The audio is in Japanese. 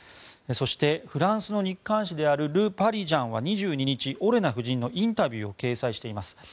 そして、フランスの日刊紙であるル・パリジャンは２２日オレナ夫人のインタビューを掲載しています。